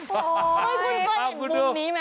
ก็หลับภายในน้ำน้ำนายแล้ว